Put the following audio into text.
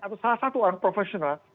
atau salah satu orang profesional